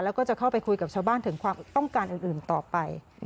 แล้วก็จะเข้าไปคุยกับชาวบ้านถึงความต้องการอื่นต่อไป